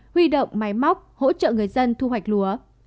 huy động máy móc hỗ trợ người dân thu hoạch lúa